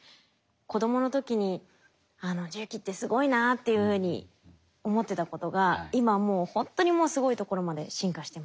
子供の時に「重機ってすごいな」っていうふうに思ってたことが今もうほんとにすごいところまで進化してますね。